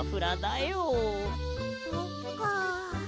そっかあ。